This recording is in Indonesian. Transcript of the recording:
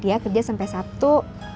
dia kerja sampe sabtu